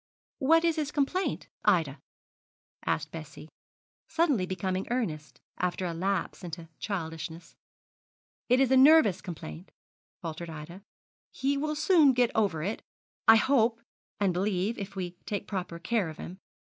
What is his complaint, Ida?' asked Bessie, suddenly becoming earnest, after a lapse into childishness. 'It is a nervous complaint,' faltered Ida; 'he will soon get over it, I hope and believe, if we take proper care of him.